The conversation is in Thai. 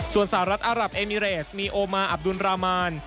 ส่วนสหรัฐอารับเอมิเรสมีโอมาอับดุลรามาน